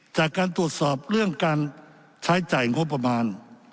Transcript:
ท่านต้องสอบเรื่องการใช้จ่ายงบประมาณ